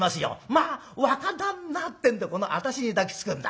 『まあ若旦那』ってんでこの私に抱きつくんだ。